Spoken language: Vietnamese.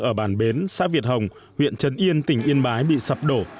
ở bản bến xã việt hồng huyện trấn yên tỉnh yên bái bị sập đổ